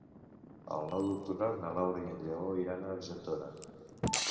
El nou d'octubre na Laura i en Lleó iran a Argentona.